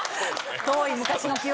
遠い昔の記憶？